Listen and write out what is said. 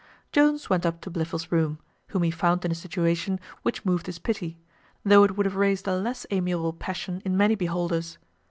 Jones went up to Blifil's room, whom he found in a situation which moved his pity, though it would have raised a less amiable passion in many beholders.